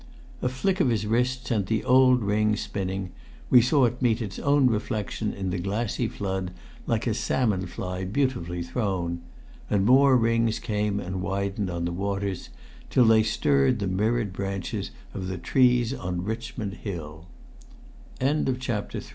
A flick of his wrist sent the old ring spinning; we saw it meet its own reflection in the glassy flood, like a salmon fly beautifully thrown; and more rings came and widened on the waters, till they stirred the mirrored branches of the